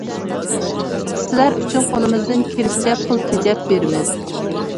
سىلەر ئۈچۈن قۇلىمىزدىن كېلىشىچە پۇل تېجەپ بېرىمىز.